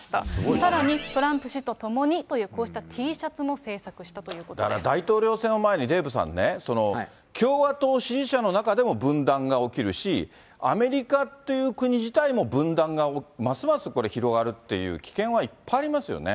さらにトランプ氏と共にというこうしたＴシャツも製作したというだから、大統領選を前に、デーブさんね、その共和党支持者の中でも分断が起きるし、アメリカっていう国自体も分断がますますこれ、広がるっていう危険はいっぱいありますよね。